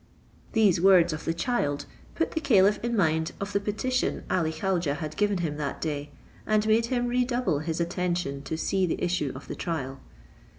These words of the child put the caliph in mind of the petition Ali Khaujeh had given him that day, and made him redouble his attention to see the issue of the trial.